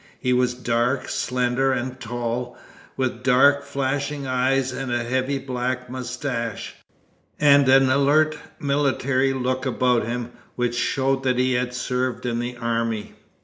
He was dark, slender, and tall, with dark, flashing eyes, a heavy black moustache, and an alert military look about him which showed that he had served in the army.